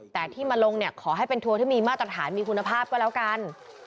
แต่ที่มาลงเนี่ยขอให้เป็นทัวร์ที่มีมาตรฐานมีคุณภาพก็แล้วกัน